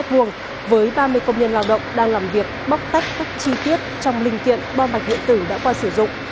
với ba mươi công nhân lao động đang làm việc bóc tách các chi tiết trong linh kiện bom mạch điện tử đã qua sử dụng